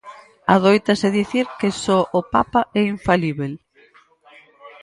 Adóitase dicir que só o papa é infalíbel.